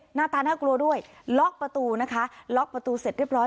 หน้าตาน่ากลัวด้วยล็อกประตูนะคะล็อกประตูเสร็จเรียบร้อย